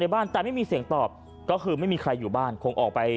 บ้านแต่ไม่มีเสียงตอบก็คือไม่มีใครอยู่บ้านคงออกไป